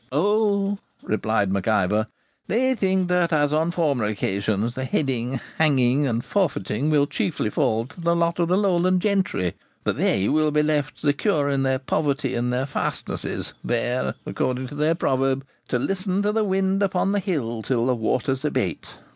'O,' replied Mac Ivor, 'they think that, as on former occasions, the heading, hanging, and forfeiting will chiefly fall to the lot of the Lowland gentry; that they will be left secure in their poverty and their fastnesses, there, according to their proverb, "to listen to the wind upon the hill till the waters abate."